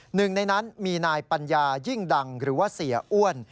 หนึ่งในนั้นมีนายปัญญายิ่งดังหรือว่าเสียอ้วน